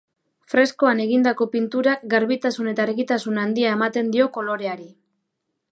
Freskoan egindako pinturak garbitasun eta argitasun handia ematen dio koloreari.